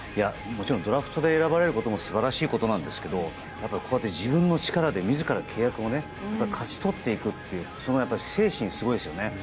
もちろんドラフトで選ばれることも素晴らしいことなんですけど自分の力で自ら契約を勝ち取っていくというその精神がすごいですよね。